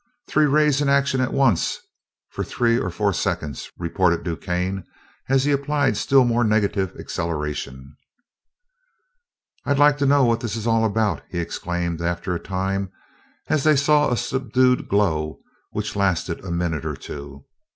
Three rays in action at once for three or four seconds," reported DuQuesne, as he applied still more negative acceleration. "I'd like to know what this is all about!" he exclaimed after a time, as they saw a subdued glow, which lasted a minute or two.